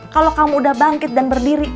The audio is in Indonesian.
kalau kamu udah bangkit dan berdiri